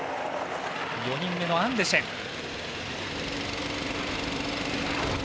４人目のアンデシェン。